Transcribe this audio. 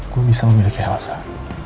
gue bisa memiliki alasan